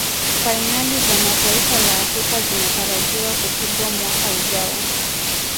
fainali za mataifa ya afrika zinatarajiwa kupigwa mwaka ujao